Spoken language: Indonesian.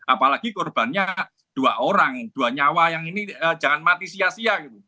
apalagi korbannya dua orang dua nyawa yang ini jangan mati sia sia gitu